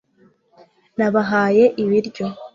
nabahaye ibiryo